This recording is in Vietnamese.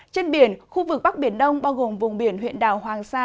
trên biển khu vực bắc biển đông bao gồm vùng biển huyện đảo hoàng sa